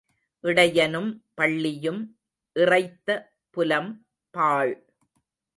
இடையனும் பள்ளியும் இறைத்த புலம் பாழ்.